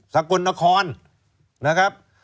สกลนครนะครับ